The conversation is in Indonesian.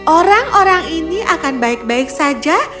orang orang ini akan baik baik saja